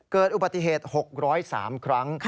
เกิดอุบัติเหตุ๖๐๓ครั้ง